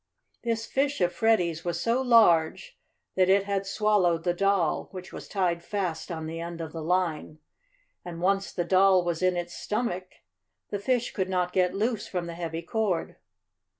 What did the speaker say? This fish of Freddie's was so large that it had swallowed the doll, which was tied fast on the end of the line, and once the doll was in its stomach the fish could not get loose from the heavy cord.